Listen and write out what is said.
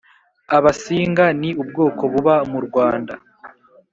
abasinga ni ubwoko buba mu rwanda